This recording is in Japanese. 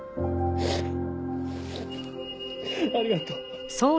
ありがとう。